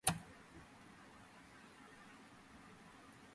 მოზარდი დე კუნინგი როტერდამის სამხატვრო აკადემიაში სწავლობდა რვა წლის განმავლობაში.